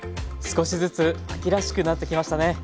少しずつ秋らしくなってきましたね。